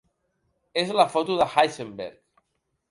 És la foto de Heisenberg.